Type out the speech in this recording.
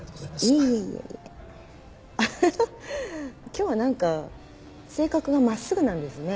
今日は何か性格が真っすぐなんですね。